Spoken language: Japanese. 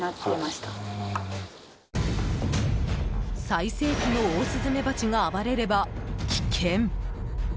最盛期のオオスズメバチが暴れれば、危険。